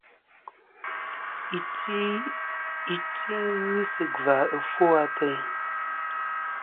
Iti ghɨ sɨ gvà ɨfwo ateyn.